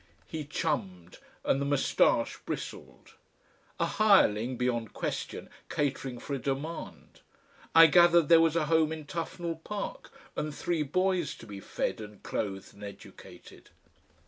He chummed and the moustache bristled. A hireling, beyond question, catering for a demand. I gathered there was a home in Tufnell Park, and three boys to be fed and clothed and educated....